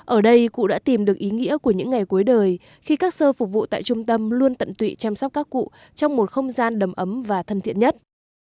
ở đây cụ đã tìm được ý nghĩa của những ngày cuối đời khi các sơ phục vụ tại trung tâm luôn tận tụy chăm sóc các cụ trong một không gian đầm ấm và thân thiện nhất